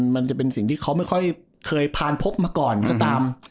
มันจะเป็นสิ่งที่เขาไม่ค่อยเคยผ่านพบมาก่อนก็ตาม